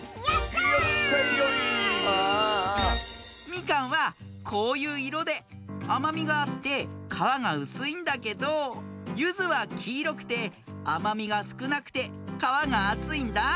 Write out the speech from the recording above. みかんはこういういろであまみがあってかわがうすいんだけどゆずはきいろくてあまみがすくなくてかわがあついんだ。